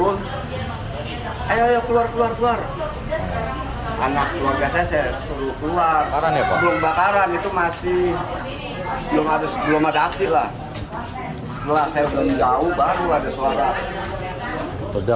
itu masih belum ada sebuah madakilah setelah saya jauh baru ada suara